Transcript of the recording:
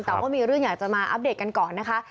แต่ว่ามีเรื่องอยากจะมาอัปเดตกันก่อนนะคะ